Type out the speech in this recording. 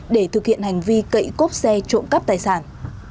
để thực hiện hành vi cậy cốp xe trộm cắp tài sản